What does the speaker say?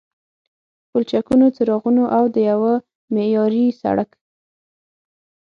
پلچکونو، څراغونو او د یوه معیاري سړک